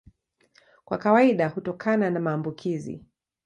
Kwa kawaida hutokana na maambukizi.